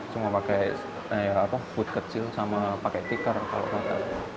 cuma pakai put kecil sama pakai tikar kalau nggak